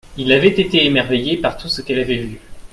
Il avait été émerveillé par tout ce qu’elle avait vu.